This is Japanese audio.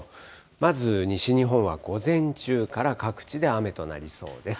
まず西日本は午前中から各地で雨となりそうです。